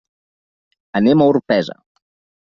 Anem a Orpesa.